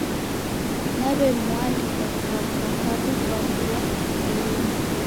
Naw'emualika kuramka kaw'i kwa ngua elima.